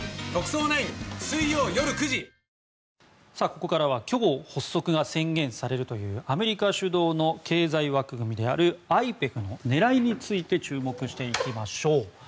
ここからは今日発足が宣言されるというアメリカ主導の経済枠組みであるＩＰＥＦの狙いについて注目していきましょう。